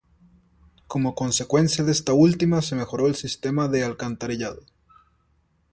Como consecuencia de esta última se mejoró el sistema de alcantarillado.